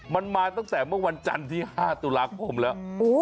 มันมาตั้งแต่เมื่อวันจันทร์ที่๕ตุลาคมแล้ว